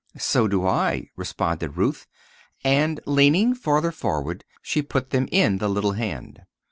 "So do I," responded Ruth; and leaning farther forward, she put them in the little hand.